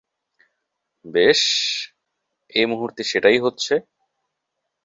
বেশ, এই মুহূর্তে সেটাই হচ্ছে।